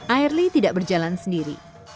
airly tidak berjalan sendiri